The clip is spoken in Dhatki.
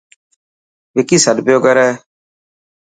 وڪي سڏ پيو ڪري.